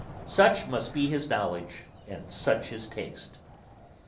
Such must be his knowledge, and such his taste.